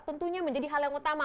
tentunya menjadi hal yang utama